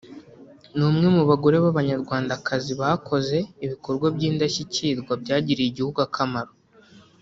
ni umwe mu bagore b’abanyarwandakazi bakoze ibikorwa by’indashyikirwa byagiriye igihugu akamaro